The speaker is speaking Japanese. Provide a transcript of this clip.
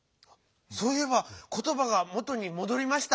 そういえばことばがもとにもどりました。